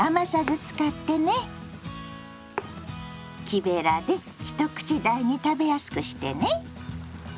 木べらで一口大に食べやすくしてね。